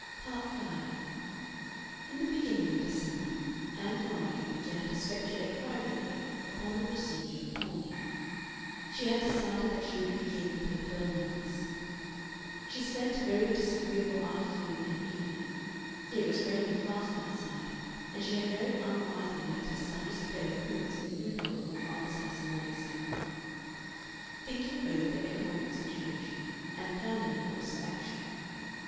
Part 5 In the beginning of December Ann Veronica began to speculate privately upon the procedure of pawning. She had decided that she would begin with her pearl necklace. She spent a very disagreeable afternoon and evening it was raining fast outside, and she had very unwisely left her soundest pair of boots in the boothole of her father's house in Morningside Park thinking over the economic situation and planning a course of action.